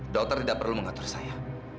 dokter tidak perlu mengatur saya